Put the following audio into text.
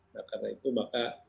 nah karena itu maka